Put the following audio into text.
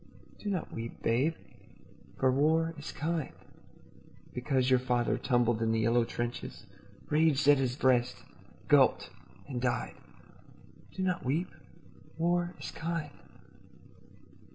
Do not weep, babe, for war is kind. Because your father tumbled in the yellow trenches, Raged at his breast, gulped and died, Do not weep. War is kind.